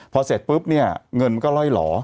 พอเสร็จปุ๊บเนี่ยเงินก็ล่อยหล่อ